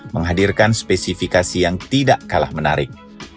menghadirkan spesifikasi yang tidak kalah menarik